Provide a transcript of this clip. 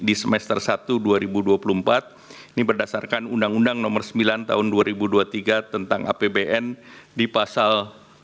ini berdasarkan undang undang nomor sembilan tahun dua ribu dua puluh tiga tentang apbn di pasal dua puluh